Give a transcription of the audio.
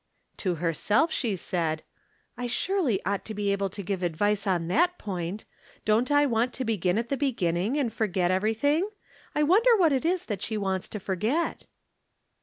To herself she said :" I surely ought to be able to give advice on that point. Don't I want to begin at the beginning, and forget everything ? I wonder what it is that she wants to forget?